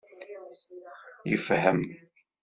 Yefhem.